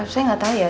saya gak tahu ya